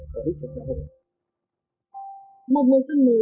một mùa xuân mới